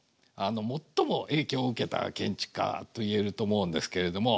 最も影響を受けた建築家と言えると思うんですけれども。